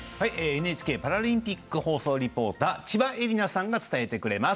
ＮＨＫパラリンピック放送リポーター千葉絵里菜さんが伝えてくれます。